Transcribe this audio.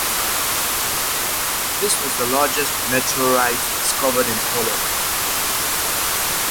This was the largest meteorite discovered in Poland.